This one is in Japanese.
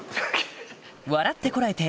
『笑ってコラえて！』